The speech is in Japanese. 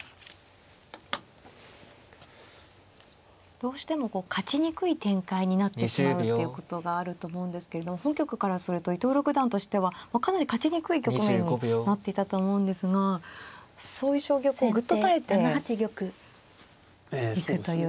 どうしてもこう勝ちにくい展開になってしまうっていうことがあると思うんですけれども本局からすると伊藤六段としてはかなり勝ちにくい局面になっていたと思うんですがそういう将棋をグッと耐えていくという。